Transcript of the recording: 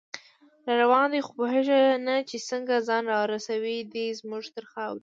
راروان دی خو پوهیږي نه چې څنګه، ځان راورسوي دی زمونږ تر خاورې